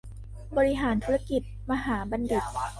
บริหารธุรกิจมหาบัณฑิต